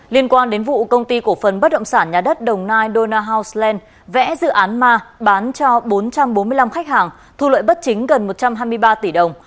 liên quan đến vụ công ty cổ phần bất động sản nhà đất đồng nai dona houseland vẽ dự án ma bán cho bốn trăm bốn mươi năm khách hàng thu lợi bất chính gần một trăm hai mươi ba tỷ đồng